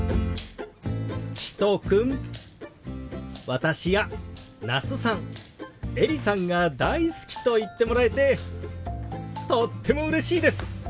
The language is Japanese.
私や那須さんエリさんが大好きと言ってもらえてとってもうれしいです！